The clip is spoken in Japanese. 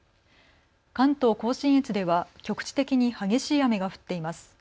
関東甲信越では局地的に激しい雨が降っています。